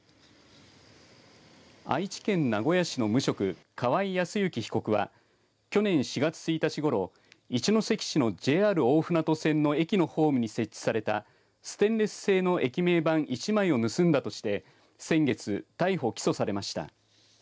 愛知県名古屋市の無職河合靖之被告は去年４月１日ごろ一関市のＪＲ大船渡線の駅のホームに設置されたステンレス製の駅名板１枚を盗んだとして先月、逮捕、起訴されました。